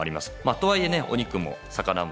とはいえ、お肉も魚も